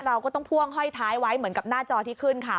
เราก็ต้องพ่วงห้อยท้ายไว้เหมือนกับหน้าจอที่ขึ้นค่ะ